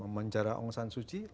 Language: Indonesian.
menjara aung san suu kyi